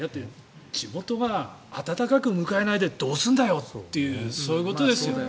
地元が温かく迎えないでどうするんだよというそういうことですよね。